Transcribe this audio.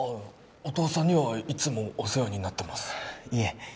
お父さんにはいつもお世話になってますいえ